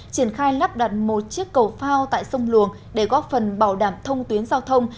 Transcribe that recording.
triển khai lắp đặt một chiếc cầu phao tại sông luồng để góp phần bảo đảm thông tuyến giao thông